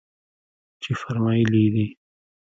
چې فرمايلي يې دي.